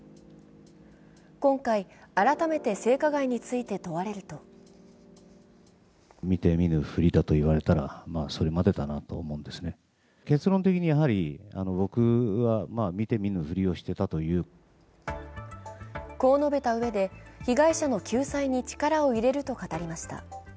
今回、改めて性加害について問われるとこう述べたうえで、被害者の救済に力を入れると語りました。